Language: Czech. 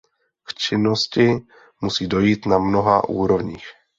K činnosti musí dojít na mnoha úrovních.